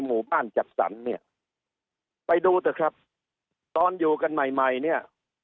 หมู่บ้านจัดสรรเนี่ยไปดูเถอะครับตอนอยู่กันใหม่ใหม่เนี่ย